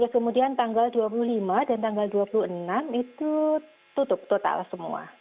kemudian tanggal dua puluh lima dan tanggal dua puluh enam itu tutup total semua